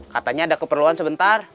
katanya ada keperluan sebentar